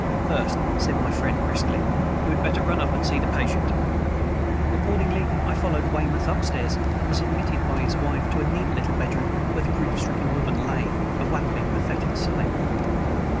"First," said my friend briskly, "you had better run up and see the patient." Accordingly, I followed Weymouth upstairs and was admitted by his wife to a neat little bedroom where the grief stricken woman lay, a wanly pathetic sight.